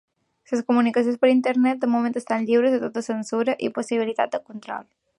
Les comunicacions per Internet de moment estan lliures de tota censura i possibilitat de control.